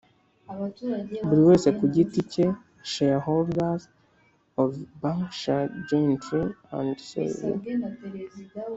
buri wese ku giti cye Shareholders of a bank shall jointly and solely